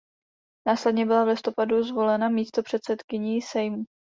Následně byla v listopadu zvolena místopředsedkyní Sejmu.